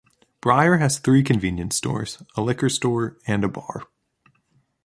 Briar has three convenience stores, a liquor store and a bar.